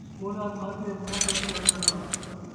تھولا کھا تے نوکر چا کھڑا